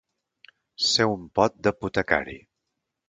Ser un pot d'apotecari.